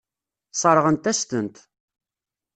Sseṛɣent-as-tent.